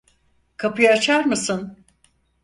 Kapıyı açar mısın?